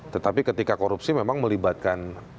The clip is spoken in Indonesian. tetapi ketika korupsi memang melibatkan